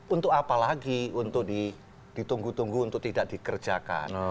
untuk apa lagi untuk ditunggu tunggu untuk tidak dikerjakan